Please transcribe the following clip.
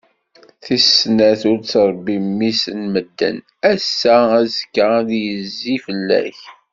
Tis snat, ur ttrebbi mmi-s n medden, ass-a, azekka ad d-yezzi fell-ak.